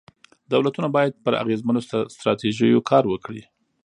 دولتونه باید پر اغېزمنو ستراتیژیو کار وکړي.